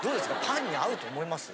パンに合うと思います？